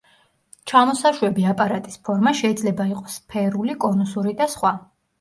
ჩამოსაშვები აპარატის ფორმა შეიძლება იყოს სფერული, კონუსური და სხვა.